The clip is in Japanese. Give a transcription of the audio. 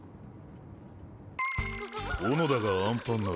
小野田がアンパンなら。